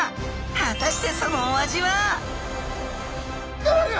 果たしてそのお味は！？